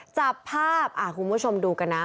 จับภาพคุณผู้ชมดูกันนะ